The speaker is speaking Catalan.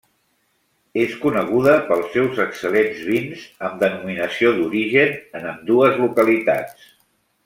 És coneguda pels seus excel·lents vins amb denominació d'origen en ambdues localitats.